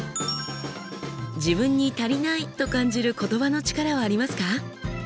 自分に足りないと感じる言葉の力はありますか？